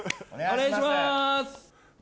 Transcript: お願いします。